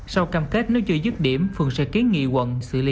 sau cam kết nếu chưa dứt điểm phường sẽ kiến nghị quận xử lý